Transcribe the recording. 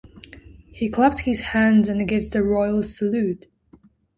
He claps his hands and gives the royal salute.